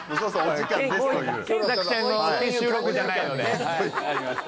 「検索ちゃん」の収録じゃないので。